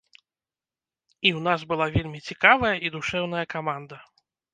І ў нас была вельмі цікавая і душэўная каманда.